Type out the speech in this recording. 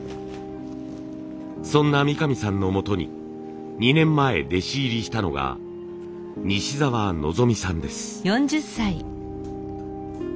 そんな三上さんのもとに２年前弟子入りしたのが西澤望さんです。